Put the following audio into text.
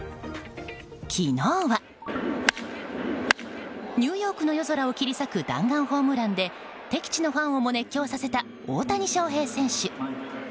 昨日は、ニューヨークの夜空を切り裂く弾丸ホームランで敵地のファンをも熱狂させた大谷翔平選手。